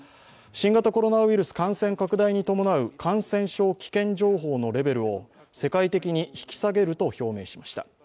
新型コロナウイルス感染拡大に伴う感染症危険情報のレベルを世界的に引き下げると表明しました。